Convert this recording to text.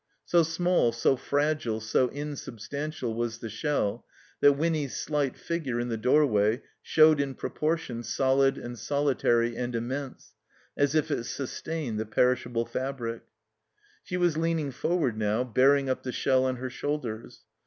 So small, so fragile, so insubstantial was the shell, that Winny's slight figure in the doorway showed in proportion solid and solitary and immense, as if it sustained the perishable fabric. She was leaning forward now, bearing up the shell on her shoulders.